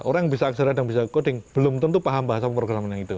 orang yang bisa aksara dan bisa koding belum tentu paham bahasa pemrograman yang itu